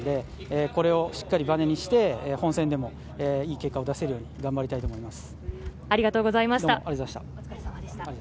これをしっかりバネにして、本戦でもいい結果を出せるように頑張りたいと思います。